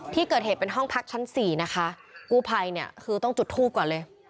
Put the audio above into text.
ที่เกิดเหตุเป็นห้องพักชั้นสี่นะคะกู้ภัยเนี่ยคือต้องจุดทูปก่อนเลย